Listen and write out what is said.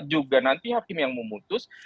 juga nanti hakim yang memutus